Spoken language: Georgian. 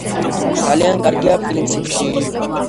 ძალიან კარგია პრინციპში.